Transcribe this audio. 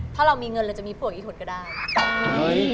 เพราะเรามีเงินเราจะมีผ่วยอีทธนก็ได้